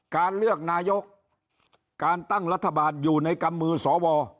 การเลือกนายกการตั้งรัฐบาลอยู่ในกำมือสว